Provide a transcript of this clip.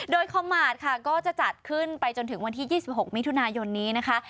โดยคอมมาร์ทค่ะก็จะจัดขึ้นไปจนถึงวันที่๒๖มิถุนายนนี้นะคะ